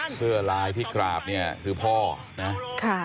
เสื้อลายที่กราบเนี่ยคือพ่อนะค่ะ